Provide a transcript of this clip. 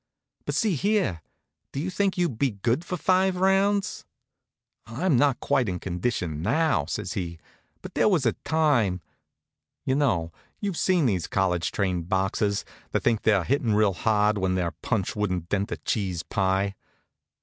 "But see here, do you think you'd be good for five rounds?" "I'm not quite in condition now," says he; "but there was a time " You know. You've seen these college trained boxers, that think they're hittin' real hard when their punch wouldn't dent a cheese pie.